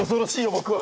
僕は。